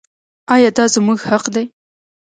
آیا دا زموږ حق دی؟